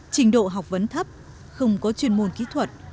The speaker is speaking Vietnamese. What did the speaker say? trình độ học vấn thấp không có chuyên môn kỹ thuật